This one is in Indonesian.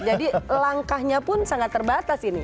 jadi langkahnya pun sangat terbatas ini